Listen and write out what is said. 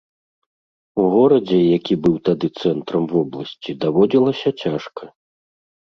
У горадзе, які быў тады цэнтрам вобласці, даводзілася цяжка.